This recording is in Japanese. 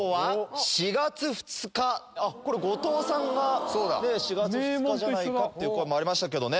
４月２日これ後藤さんが４月２日じゃないかっていう声もありましたけどね。